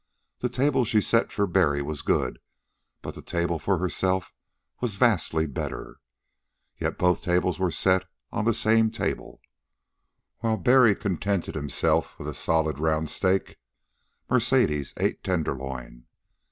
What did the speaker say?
The table she set for Barry was good, but the table for herself was vastly better. Yet both tables were set on the same table. While Barry contented himself with solid round steak, Mercedes ate tenderloin.